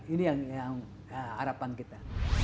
ini yang harapan kita